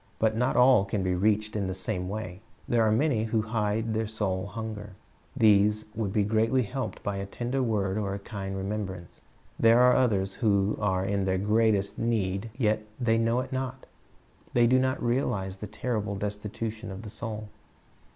But not all can be reached in the same way There are many who hide their soul hunger. These would be greatly helped by a tender word or a kind remembrance. There are others who are in the greatest need yet they know it not. They do not realize the terrible destitution of the soul.